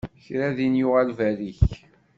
Kra din yuɣal berrik.